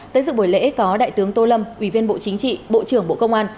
tới dự buổi lễ có đại tướng tô lâm ủy viên bộ chính trị bộ trưởng bộ công an